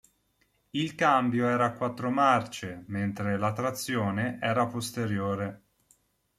Il cambio era a quattro marce, mentre la trazione era posteriore.